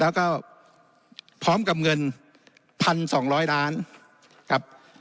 แล้วก็พร้อมกับเงินพันสองร้อยล้านครับ